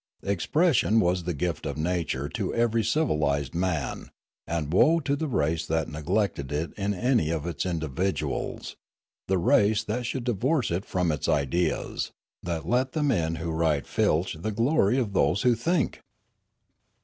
Expression was the gift of nature to every civilised man, and woe to the race that neglected it in any of its individuals, the race that should divorce it from its ideas, that let the men who write filch the glory of those who think!